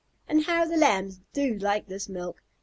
And how the Lambs do like this milk!